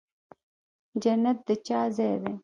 جنت د چا ځای دی؟